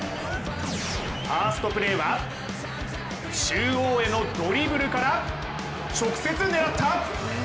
ファーストプレーは、中央へのドリブルから直接狙った！